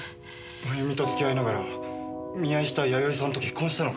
まゆみと付き合いながら見合いした弥生さんと結婚したのか。